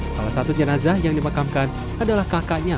salah satu jenazah yang dimakamkan adalah kakaknya